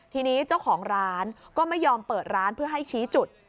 ทีนี้เจ้าของร้านก็ไม่ยอมเปิดร้านเพื่อให้ชี้จุด